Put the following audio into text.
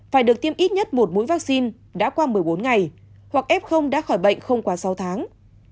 phải được tiêm ít nhất một mũi vaccine đã qua một mươi bốn ngày hoặc f đã khỏi bệnh không quá sáu tháng